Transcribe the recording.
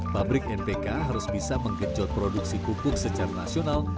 pabrik npk harus bisa menggenjot produksi pupuk secara nasional